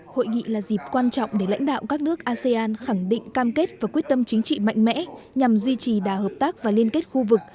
hội nghị là dịp quan trọng để lãnh đạo các nước asean khẳng định cam kết và quyết tâm chính trị mạnh mẽ nhằm duy trì đà hợp tác và liên kết khu vực